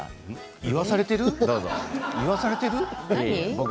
言わされている？